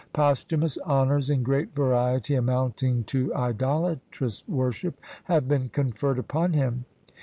Posthumous honors in great variety, amounting to idolatrous worship, have been conferred upon him.